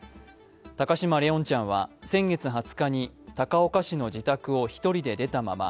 高嶋怜音ちゃんは先月２０日に高岡市の自宅を１人で出たまま